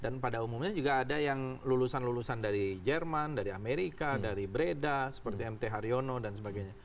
pada umumnya juga ada yang lulusan lulusan dari jerman dari amerika dari breda seperti mt haryono dan sebagainya